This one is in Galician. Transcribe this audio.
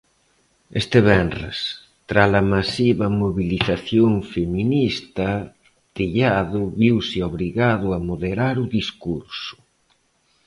Este venres, tras a masiva mobilización feminista, Tellado viuse obrigado a moderar o discurso.